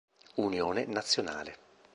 Unione Nazionale